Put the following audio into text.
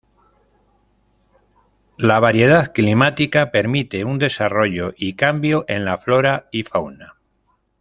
La variedad climática permite un desarrollo y cambio en la flora y fauna.